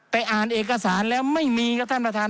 แต่อ่านเอกสารแล้วไม่มีครับท่านประธาน